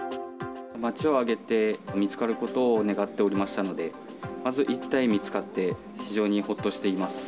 町を挙げて見つかることを願っておりましたので、まず１体見つかって、非常にほっとしています。